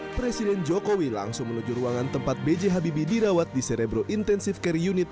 presiden jokowi langsung menuju ruangan tempat bj habibi dirawat di cerebro intensive care unit